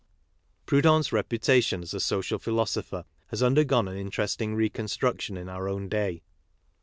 Proudhon's reputation as a social philosopher has undergone an interesting reconstruction in our own day.'